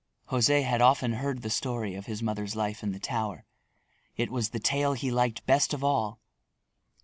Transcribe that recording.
José had often heard the story of his mother's life in the tower. It was the tale he liked best of all.